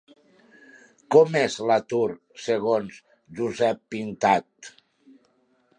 Com és l'atur segons Josep Pintat?